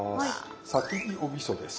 先におみそです。